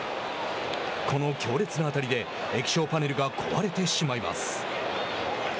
この強烈な当たりで液晶パネルが壊れてしまいます。